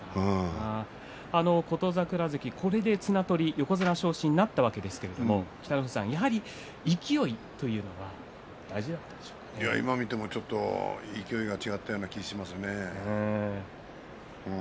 琴櫻関はこれで綱取り横綱昇進となったわけですがやはり勢いというのは今見ても勢いが違ったような気がしますね。